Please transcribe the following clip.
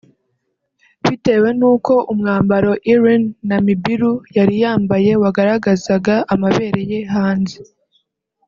bitewe nuko umwambaro Iryn Namubiru yari yambaye wagaragazaga amabere ye hanze